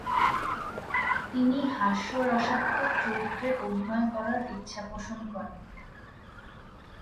তিনি হাস্যরসাত্মক চরিত্রে অভিনয় করার ইচ্ছাপোষণ করেন।